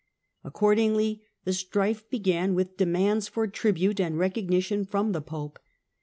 Accordingly the strife began with demands for tribute and recognition from the Pope.